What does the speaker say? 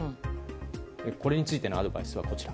これについてのアドバイスはこちら。